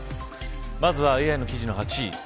まずはＡＩの記事の８位。